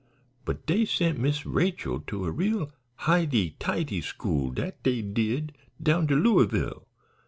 But dey sent Miss Rachel to a real highty tighty school, dat dey did, down to Louisville.